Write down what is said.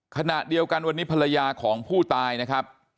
ขณะเดียวกันวันนี้ภรรยาของผู้ตายนะครับ